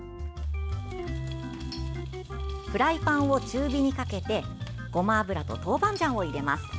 フライパンを中火にかけてごま油と豆板醤を入れます。